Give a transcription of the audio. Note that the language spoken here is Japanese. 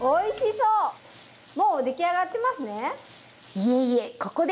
いえいえ。